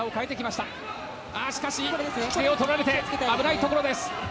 しかし、引き手をとられて危ないところです。